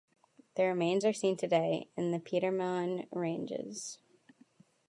The remains are seen today in the Petermann Ranges.